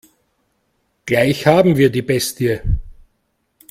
Gleich haben wir die Bestie.